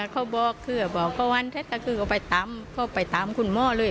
ก็ยังบอกว่าก็วันมั้ยก็ไปตามคุณหมอเลย